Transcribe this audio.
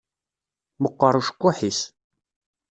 Meqqeṛ ucekkuḥ-is.